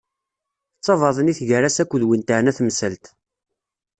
D tabaḍnit gar-as akked win teɛna temsalt.